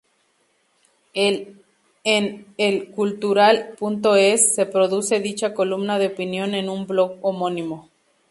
En "ElCultural.es" se reproduce dicha columna de opinión en un blog homónimo.